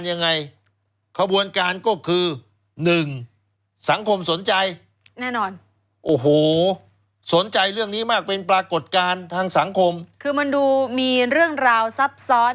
เพราะขบวนการเนี่ยมันต้องมีมากกว่ากี่คน